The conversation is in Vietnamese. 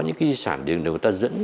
những cái di sản đường đều người ta dẫn